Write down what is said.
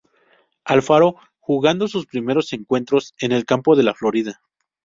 Alfaro, jugando sus primeros encuentros en el campo de La Florida.